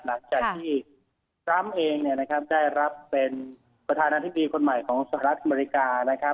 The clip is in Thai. หลังจากที่ซ้ำเองได้รับเป็นประธานาธิปดีตะลายคนใหม่ของสหรัฐอเมริกา